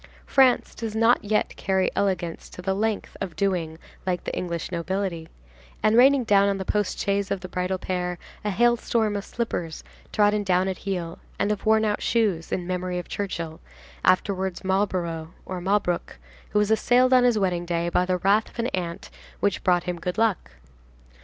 France does not yet carry elegance to the length of doing like the English nobility, and raining down on the post chaise of the bridal pair a hail storm of slippers trodden down at heel and of worn out shoes, in memory of Churchill, afterwards Marlborough, or Malbrouck, who was assailed on his wedding day by the wrath of an aunt which brought him good luck.